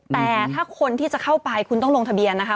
แต่ถ้าคนที่จะเข้าไปคุณต้องลงทะเบียนนะคะ